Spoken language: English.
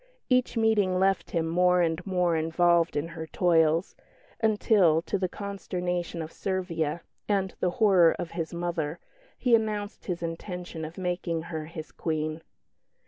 Each meeting left him more and more involved in her toils, until, to the consternation of Servia and the horror of his mother, he announced his intention of making her his Queen.